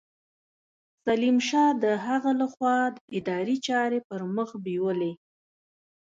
سلیم شاه د هغه له خوا اداري چارې پرمخ بېولې.